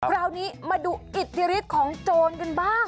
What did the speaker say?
คราวนี้มาดูอิทธิฤทธิ์ของโจรกันบ้าง